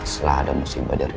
setelah ada musibah dari